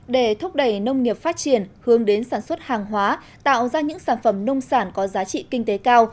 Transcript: để thúc đẩy nông nghiệp phát triển hướng đến sản xuất hàng hóa tạo ra những sản phẩm nông sản có giá trị kinh tế cao